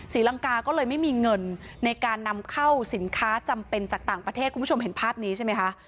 ลังกาก็เลยไม่มีเงินในการนำเข้าสินค้าจำเป็นจากต่างประเทศคุณผู้ชมเห็นภาพนี้ใช่ไหมคะ